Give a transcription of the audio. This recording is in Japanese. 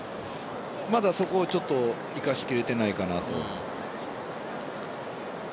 まだそこをちょっと生かしきれていないかなと。